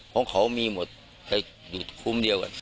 เพราะเขามีหมดใครอยู่คุ้มเดียวกัน